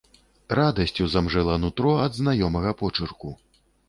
Радасцю замжэла нутро ад знаёмага почырку.